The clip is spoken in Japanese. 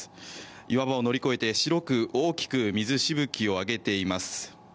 岩場を乗り越えて白く大きく水しぶきを上げています。